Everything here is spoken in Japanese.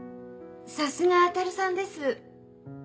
さすがアタルさんです。